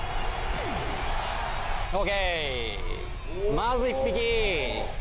まず１匹！